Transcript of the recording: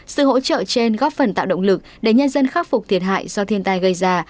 sự hỗ trợ trên góp phần tạo động lực để nhân dân khắc phục thiệt hại do thiên tai gây ra